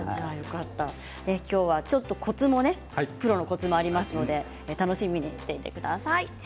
今日はコツもありますので楽しみにしていてください。